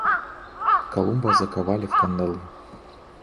Колумба заковали в кандалы.